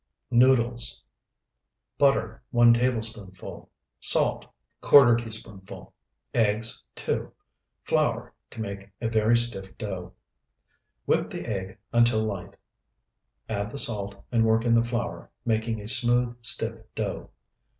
NOODLES Butter, 1 tablespoonful. Salt, ¼ teaspoonful. Eggs, 2. Flour, to make a very stiff dough. Whip the egg until light, add the salt, and work in the flour, making a smooth, stiff dough.